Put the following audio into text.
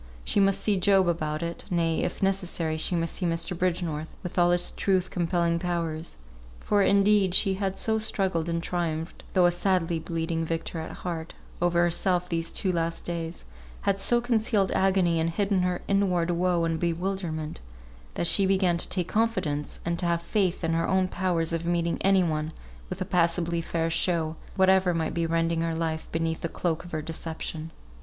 She must see Job about it; nay, if necessary, she must see Mr. Bridgenorth, with all his truth compelling powers; for, indeed, she had so struggled and triumphed (though a sadly bleeding victor at heart) over herself these two last days, had so concealed agony, and hidden her inward woe and bewilderment, that she began to take confidence, and to have faith in her own powers of meeting any one with a passably fair show, whatever might be rending her life beneath the cloak of her deception.